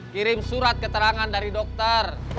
kirim surat keterangan dari dokter